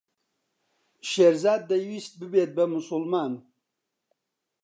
شێرزاد دەیویست ببێت بە موسڵمان.